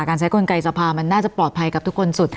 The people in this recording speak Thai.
ใช้กลไกสภามันน่าจะปลอดภัยกับทุกคนสุด